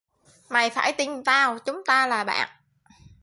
Mày phải tin tao chúng ta là bạn